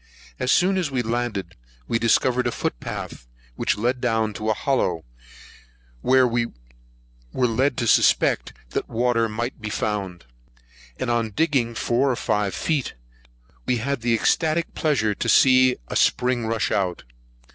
As soon as we landed, we discovered a foot path which led down into a hollow, where we were led to suspect that water might be found; and on digging four or five feet, we had the ecstatic pleasure to see a spring rush out.